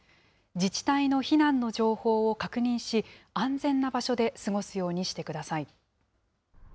自治体の避難の情報を確認し、安全な場所で過ごすようにしてください。